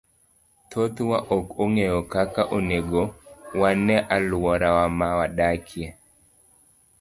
Thothwa ok ong'eyo kaka onego wane alwora ma wadakie.